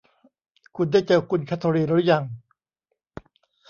คุณได้เจอคุณแคทเทอรีนรึยัง